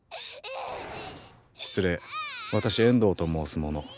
失礼私遠藤と申す者。